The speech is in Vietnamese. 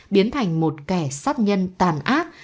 biến thành một kẻ sát nhân tàn ác